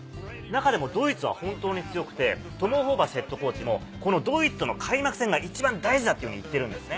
中でもドイツは本当に強くてトム・ホーバスヘッドコーチも「ドイツとの開幕戦が一番大事だ」というふうに言ってるんですね。